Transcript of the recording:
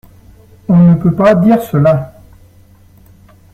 On ne peut pas dire cela.